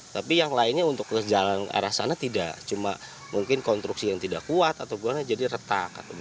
tapi yang lainnya untuk jalan arah sana tidak cuma mungkin konstruksi yang tidak kuat atau gimana jadi retak